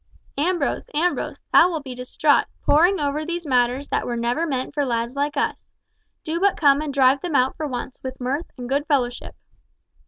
"Ambrose, Ambrose, thou wilt be distraught, poring over these matters that were never meant for lads like us! Do but come and drive them out for once with mirth and good fellowship."